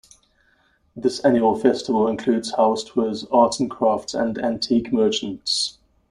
This annual festival includes house tours, arts and crafts, and antique merchants.